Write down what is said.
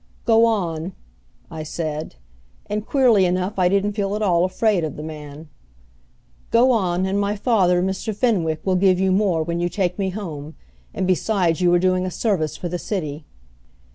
"Go on," I said, and queerly enough I didn't feel at all afraid of the man. "Go on, and my father, Mr. Fenwick, will give you more when you take me home; and besides you are doing a service for the city."